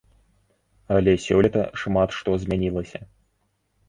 Але сёлета шмат што змянілася.